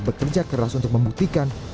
bekerja keras untuk membuktikan